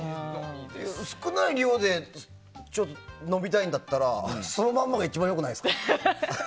少ない量で飲みたいんだったらそのままが一番良くないですか？